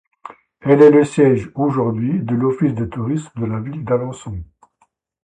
Elle est le siège aujourd'hui de l'office de tourisme de la ville d'Alençon.